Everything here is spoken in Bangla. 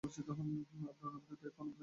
আপনার অনুভূতিও একই, আপনিও আমার প্রেমে পড়েছেন।